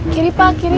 kiri pak kiri